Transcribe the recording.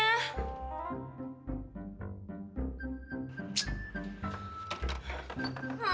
erya buka dong pintunya